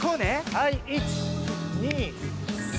はい１２３。